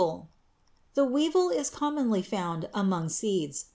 = The weevil is commonly found among seeds.